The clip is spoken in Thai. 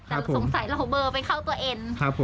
เราน่าจะสงสัยเราเบอร์ไปเข้าตัวเอน